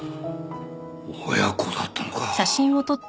親子だったのか！